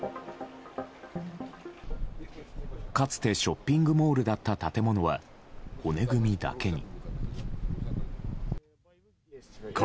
かつてショッピングモールだった建物は骨組みだけに。